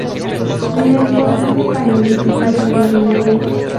La investigación del Paleolítico inferior en Madrid".